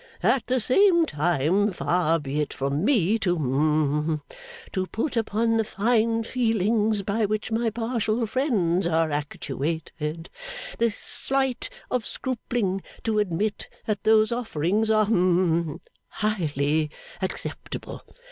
At the same time far be it from me to hum to put upon the fine feelings by which my partial friends are actuated, the slight of scrupling to admit that those offerings are hum highly acceptable.